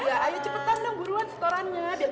ayo cepetan dong guruan setorannya